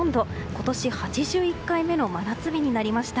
今年８１回目の真夏日になりました。